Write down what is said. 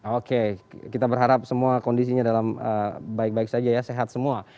oke kita berharap semua kondisinya dalam baik baik saja ya sehat semua